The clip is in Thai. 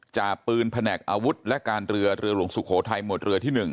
จากปืนแผนกอาวุธและการเรือเรือหลวงสุโขทัยหมวดเรือที่๑